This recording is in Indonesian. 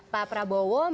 pak prabowo mengelola